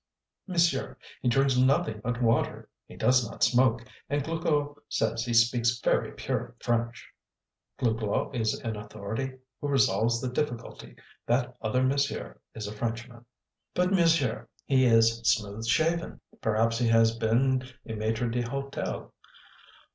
"Monsieur, he drinks nothing but water, he does not smoke, and Glouglou says he speaks very pure French." "Glouglou is an authority who resolves the difficulty. 'That other monsieur' is a Frenchman." "But, monsieur, he is smooth shaven." "Perhaps he has been a maitre d'hotel."